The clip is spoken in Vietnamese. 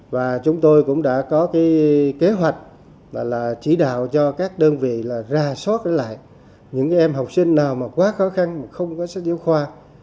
và chúng tôi cũng đã có kế hoạch chỉ đạo cho các đơn vị ra soát lại những em học sinh nào quá khó khăn mà không có sách giáo khoa